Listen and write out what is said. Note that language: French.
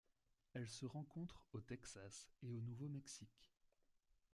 Elle se rencontre au Texas et au Nouveau-Mexique.